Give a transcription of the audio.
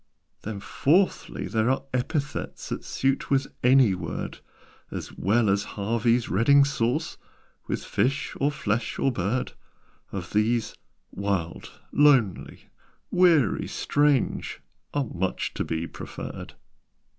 "Then fourthly, there are epithets That suit with any word As well as Harvey's Reading Sauce With fish, or flesh, or bird Of these, 'wild,' 'lonely,' 'weary,' 'strange,' Are much to be preferred."